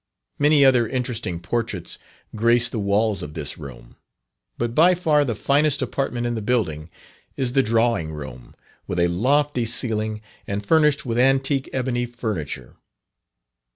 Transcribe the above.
Many other interesting portraits grace the walls of this room. But by far the finest apartment in the building is the Drawing room, with a lofty ceiling, and furnished with antique ebony furniture.